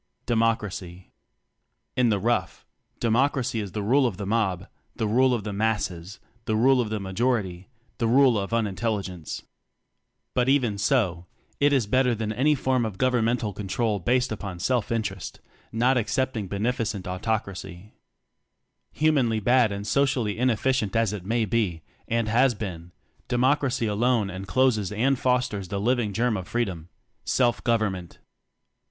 Democracy. In the rough, Democracy is the ule of the mob, the rule of the asses, the rule of the majority the ule of un intelligence. But even so, t is better than any form of govern mental control based upon self inter est not excepting "Beneficent Autoc racy." Humanly bad and socially ineffi cient as it may be, and has been, De ocracy alone encloses and fosters he living germ of freedom self gov ernment.